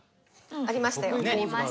ありましたね。